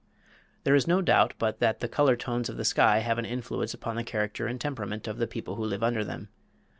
There is no doubt but that the color tones of the sky have an influence upon the character and temperament of the people who live under them.